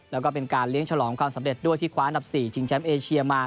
แล้วก็เป็นการเลี้ยงฉลองความสำเร็จด้วยที่คว้าอันดับ๔ชิงแชมป์เอเชียมา